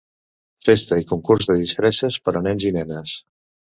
Festa i concurs de disfresses per a nens i nenes.